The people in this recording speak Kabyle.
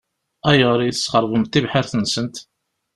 Ayɣer i tesxeṛbemt tibḥirt-nsent?